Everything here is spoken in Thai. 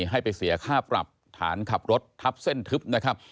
ให้ไปเสียค่าปรับฐานขับรถทับเส้นทึบนะครับ